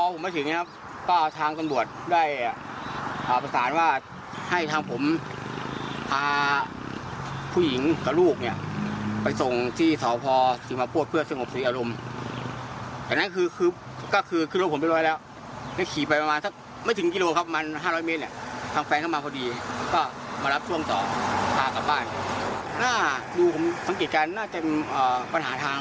หน้าดูของสังเกตการณ์น่าจะมีปัญหาทางครอบครัวครับ